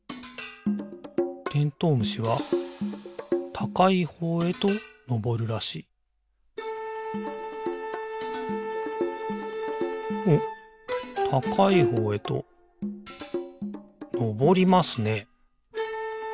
虫はたかいほうへとのぼるらしいおったかいほうへとのぼりますね。